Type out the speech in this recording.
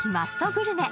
グルメ